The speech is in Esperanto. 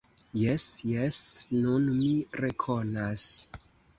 Jes, jes, nun mi rekonas.